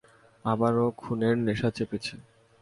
আবারো খুনের নেশা চেপেছে।